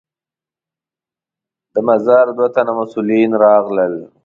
د مزار دوه تنه مسوولین راغلل.